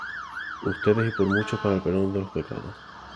ustedes y por muchos para el perdón de los pecados.